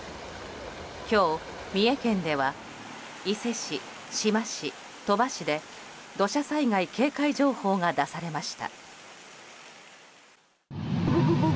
今日、三重県では伊勢市、志摩市、鳥羽市で土砂災害警戒情報が出されました。